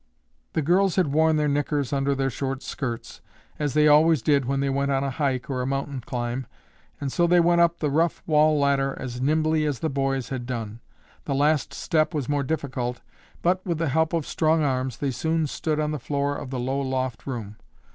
The girls had worn their knickers under their short skirts as they always did when they went on a hike or a mountain climb and so they went up the rough wall ladder as nimbly as the boys had done. The last step was more difficult, but, with the help of strong arms they soon stood on the floor of the low loft room.